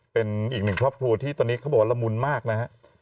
เป็นอีกหนึ่งครอบครัวที่ตอนนี้เขาบอกว่าละมุนมากนะฮะ